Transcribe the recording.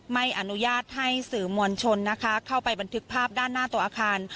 ไม่อนุญาตให้สื่อมวลชนนะคะเข้าไปบันทึกภาพด้านหน้าตัวอาคาร